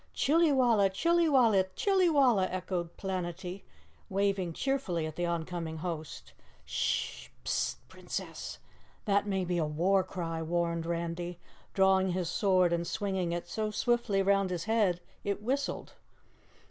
"Chillywalla, Chillywalla, Chillywalla!" echoed Planetty, waving cheerfully at the oncoming host. "Shh hh, pss st, Princess, that may be a war cry," warned Randy, drawing his sword and swinging it so swiftly round his head it whistled.